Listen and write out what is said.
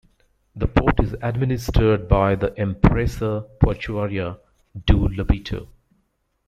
The port is administered by the Empresa Portuaria do Lobito.